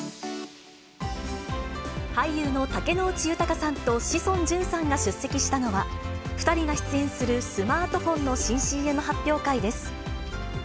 俳優の竹野内豊さんと志尊淳さんが出席したのは、２人が出演するスマートフォンの新ＣＭ発表会です。